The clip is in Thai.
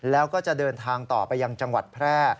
แล้วก็จะเดินทางต่อไปยังจังหวัดแพร่